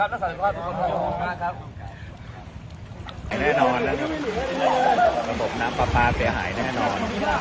หลงหลงหลงหลงหลงหลงหลงหลง